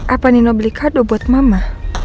apa nino beli kado buat mama